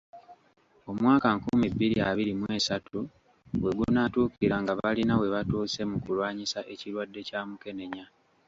Omwaka nkumi bbiri abiri mw'essatu we gunaatuukira nga balina we batuuse mu kulwanyisa ekirwadde kya Mukenenya.